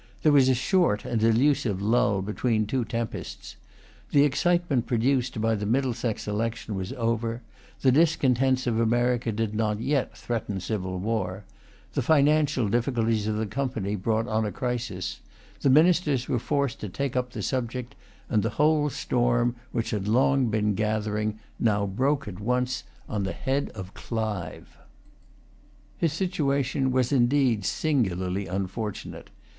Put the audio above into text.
There was a short and delusive lull between two tempests. The excitement produced by the Middlesex election was over; the discontents of America did not yet threaten civil war; the financial difficulties of the Company brought on a crisis; the Ministers were forced to take up the subject; and the whole storm, which had long been gathering, now broke at once on the head of Clive. His situation was indeed singularly unfortunate.